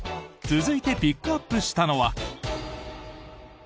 続いてピックアップしたのは。